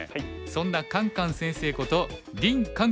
そんなカンカン先生こと林漢